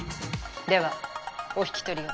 ではお引き取りを。